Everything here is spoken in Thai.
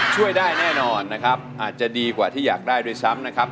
ช่วยได้แน่นอนนะครับอาจจะดีกว่าที่อยากได้ด้วยซ้ำนะครับ